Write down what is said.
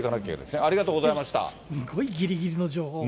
あすごいぎりぎりの情報。